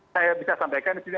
saya bisa sampaikan disini